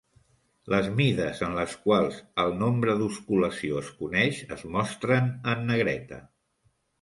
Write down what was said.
Les mides en les quals el nombre d'osculació es coneix es mostren en negreta.